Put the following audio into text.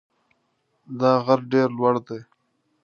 دا غر ډېر لوړ دی.